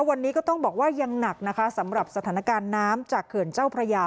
วันนี้ก็ต้องบอกว่ายังหนักนะคะสำหรับสถานการณ์น้ำจากเขื่อนเจ้าพระยา